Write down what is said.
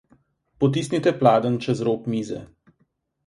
Potisnite pladenj čez rob mize.